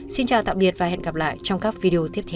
xin chào tạm biệt và hẹn gặp lại trong các video tiếp theo